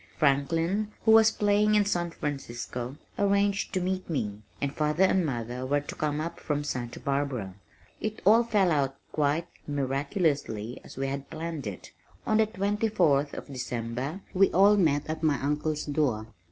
Franklin, who was playing in San Francisco, arranged to meet me, and father and mother were to come up from Santa Barbara. It all fell out quite miraculously as we had planned it. On the 24th of December we all met at my uncle's door.